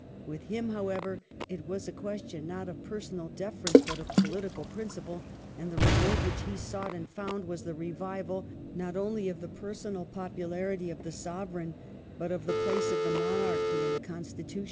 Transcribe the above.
With him, however, it was a question not of personal deference but of political principle ; and the reward which he sought, and found, was the revival, not only of the personal popularity of the Sovereign, but of the place of the Monarchy in the Constitution.